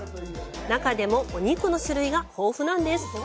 中でも、お肉の種類が豊富なんです。